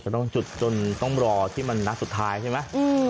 ต้องจุดจนต้องรอที่มันนัดสุดท้ายใช่ไหม